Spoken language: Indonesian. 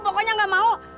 pokoknya gak mau